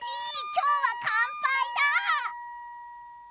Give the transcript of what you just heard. きょうはかんぱいだぁ。